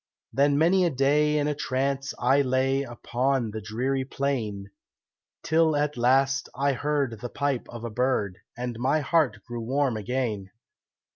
Then many a day in a trance I lay Upon the dreary plain, Till, at last, I heard the pipe of a bird, And my heart grew warm again.